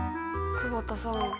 久保田さん。